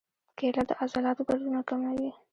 کېله د عضلاتو دردونه کموي.